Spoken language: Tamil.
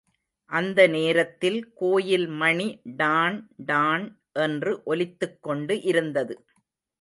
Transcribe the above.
அந்த நேரத்தில் கோயில் மணி டாண் டாண் என்று ஒலித்துக்கொண்டு இருந்தது.